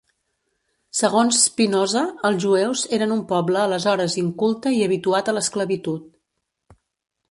Segons Spinoza, els jueus eren un poble aleshores inculte i habituat a l'esclavitud.